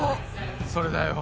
それだよ。